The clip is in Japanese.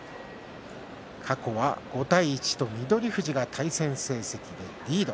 過去は５対１と翠富士が対戦成績でリード